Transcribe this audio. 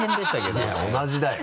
いやいや同じだよ！